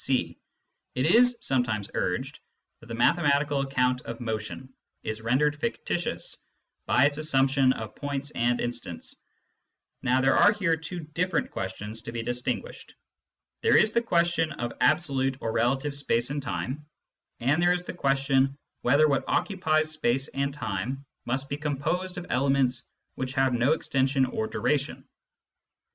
(c) It is sometimes urged that the mathematical account of motion is rendered fictitious by its assumption of points and instants. Now there are here two different 10 Digitized by Google 146 SCIENTIFIC METHOD IN PHILOSOPHY questions to be distinguished. There is the question of absolute or relative space and time, and there is the question whether what occupies space and time must be composed of elements which have no extension or duration.